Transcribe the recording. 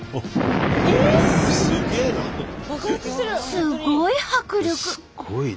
すごい迫力！